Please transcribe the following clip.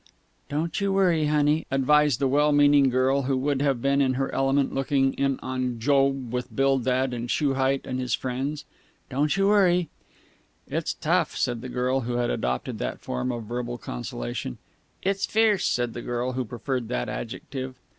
"Don't you worry, honey!" advised the well meaning girl who would have been in her element looking in on Job with Bildad the Shuhite and his friends. "Don't you worry!" "It's tough!" said the girl who had adopted that form of verbal consolation. "It's fierce!" said the girl who preferred that adjective.